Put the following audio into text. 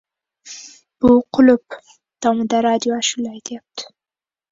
Bu - «qulup». Tomida radio ashula aytyapti.